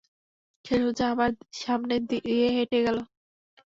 সে সোজা আমার সামনে দিয়ে হেঁটে গেলো।